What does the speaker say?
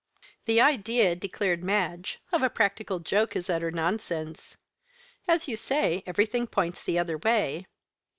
"The idea," declared Madge, "of a practical joke is utter nonsense. As you say, everything points the other way.